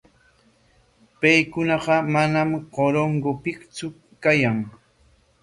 Paykunaqa manam Corongopiktsu kayan.